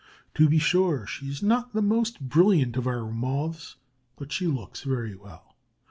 To be sure, she is not the most brilliant of our Moths, but she looks very well.